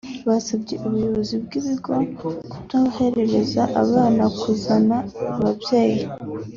basabye ubuyobozi bw’ibigo kutohereza abana kuzana ababyeyi